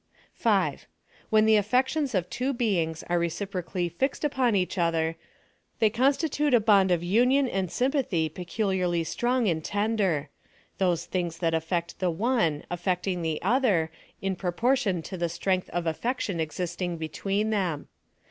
5. When the affections of two beings are recipro cally fixed upon each other, they constitute a bond of union and sympathy peculiarly strong and ten aer :— (hose things that affect the one affecting the other, in proportion to the strength of affection exist inor between them.